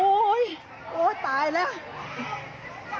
โอ้โฮโอ้ตายแล้ว